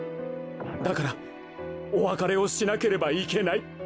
だからおわかれをしなければいけない。